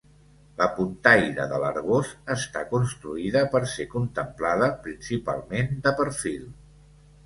La puntaire de l'Arboç està construïda per ser contemplada, principalment, de perfil.